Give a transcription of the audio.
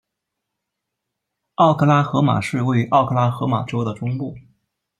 奥克拉荷马市位于奥克拉荷马州的中部。